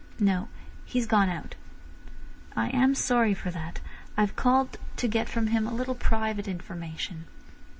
"No. He's gone out." "I am sorry for that. I've called to get from him a little private information."